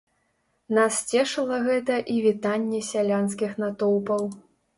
Нас цешыла гэта і вітанне сялянскіх натоўпаў.